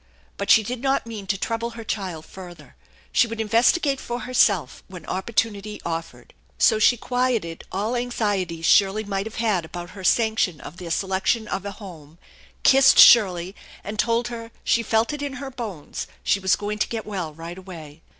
But she did not mean to trouble her child further. She would investigate for herself when opportunity offered. So she quieted all anxieties Shirley might have had about her sanc tion of their selection of a home, kissed Shirley, and told her she felt it in her bones she was going to get well right away.